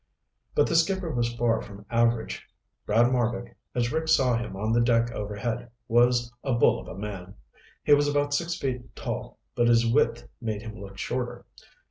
But the skipper was far from average. Brad Marbek, as Rick saw him on the deck overhead, was a bull of a man. He was about six feet tall, but his width made him look shorter.